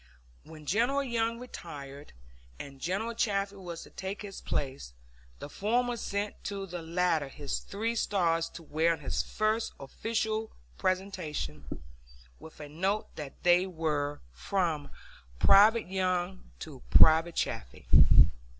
When General Young retired and General Chaffee was to take his place, the former sent to the latter his three stars to wear on his first official presentation, with a note that they were from "Private Young to Private Chaffee."